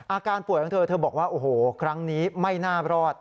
อาการป่วยของเธอเธอบอกว่าโอ้โหครั้งนี้ไม่น่ารอด